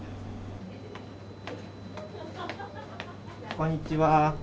こんにちは。